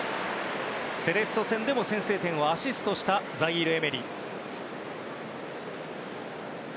セレッソ戦でも先制点をアシストしたザイール・エメリ。